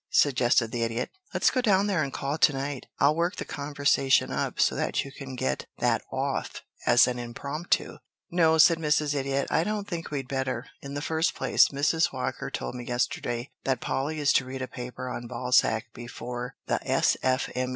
suggested the Idiot. "Let's go down there and call to night. I'll work the conversation up so that you can get that off as an impromptu." [Illustration: "AN ANTHROPOLOGICAL TEA"] "No," said Mrs. Idiot. "I don't think we'd better. In the first place, Mrs. Whalker told me yesterday that Polly is to read a paper on Balzac before the S. F. M.